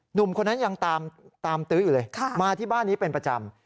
หนุ่มคนนั้นยังตามตื้ออยู่เลยมาที่บ้านนี้เป็นประจำ